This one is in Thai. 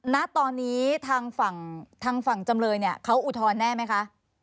ณตอนนี้ทางฝั่งจำเลยเนี่ยเค้าอุทฒรแน่มั้ยคะ